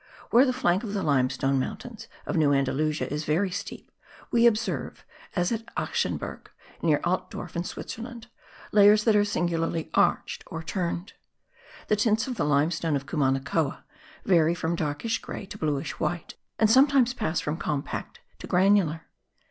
Where the flank of the limestone mountains of New Andalusia is very steep we observe, as at Achsenberg, near Altdorf in Switzerland, layers that are singularly arched or turned. The tints of the limestone of Cumanacoa vary from darkish grey to bluish white and sometimes pass from compact to granular.